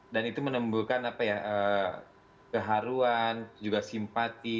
dan itu menembulkan keharuan juga simpati